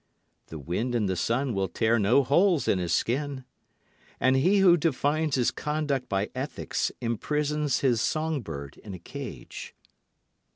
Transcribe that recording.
The wind and the sun will tear no holes in his skin. And he who defines his conduct by ethics imprisons his song bird in a cage.